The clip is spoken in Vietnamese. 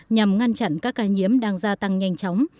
nhằm ngăn chặn các ca nhiễm đang gia tăng nhanh chóng